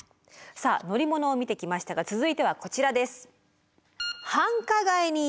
さあ乗り物を見てきましたが続いてはこちらです！